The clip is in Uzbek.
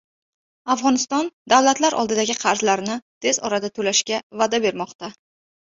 Afg‘oniston davlatlar oldidagi qarzlarini tez orada to‘lashga va’da bermoqda